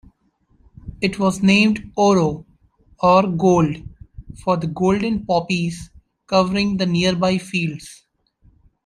It was named 'oro', or gold, for the golden poppies covering the nearby fields.